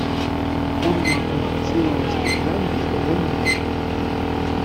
Уровень инфицированности в Гамбии довольно низкий.